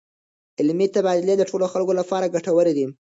علمي تبادلې د ټولو خلکو لپاره ګټورې دي.